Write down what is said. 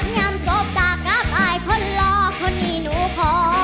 งามสบตากับอายคนหล่อคนนี้หนูขอ